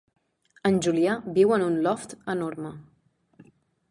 En Julià viu en un loft enorme.